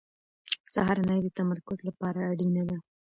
سهارنۍ د تمرکز لپاره اړینه ده.